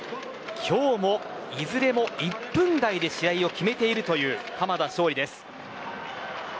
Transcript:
今日もいずれも１分台で試合を決めているという濱田尚里です。